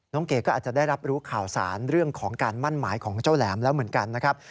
เก๋ก็อาจจะได้รับรู้ข่าวสารเรื่องของการมั่นหมายของเจ้าแหลมแล้วเหมือนกันนะครับ